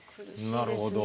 なるほど。